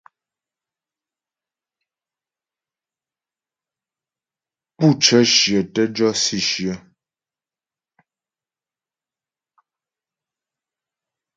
Pú cə́ shyə tə́ jɔ si shyə.